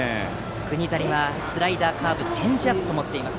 栗谷はスライダー、カーブチェンジアップと持っています。